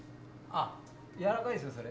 やわらかいですよ、それ。